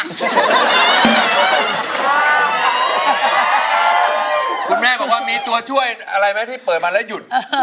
คุณแม่บอกว่ามีตัวช่วยอะไรไหมที่เปิดมาแล้วหยุด